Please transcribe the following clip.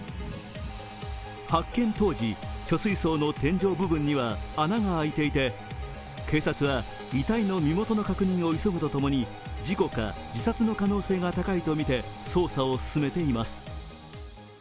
発見当時、貯水槽の天井部分には穴が開いていて警察は遺体の身元の確認を急ぐとともに事故か自殺の可能性が高いとみて捜査を進めています。